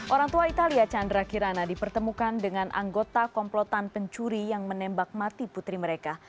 orang tua italia chandra kirana dipertemukan dengan anggota komplotan pencuri yang menembak mati putri mereka